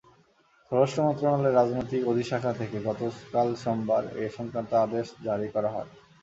স্বরাষ্ট্র মন্ত্রণালয়ের রাজনৈতিক অধিশাখা থেকে গতকাল সোমবার এ-সংক্রান্ত আদেশ জারি করা হয়।